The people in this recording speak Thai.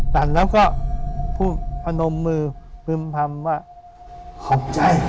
สั่นแล้วก็ผนมมือพึมพรรมว่า